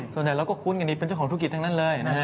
ส่วนใหญ่เราก็คุ้นกันดีเป็นเจ้าของธุรกิจทั้งนั้นเลยนะฮะ